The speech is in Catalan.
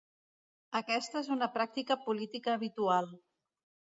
Aquesta és una pràctica política habitual.